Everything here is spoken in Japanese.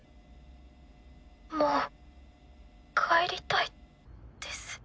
もう帰りたいです。